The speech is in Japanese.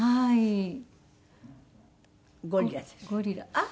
あっ。